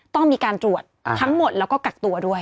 ต้องมีการตรวจทั้งหมดแล้วก็กักตัวด้วย